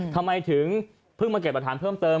ทำไมถึงเพิ่งมาเก็บประทานเพิ่มเติม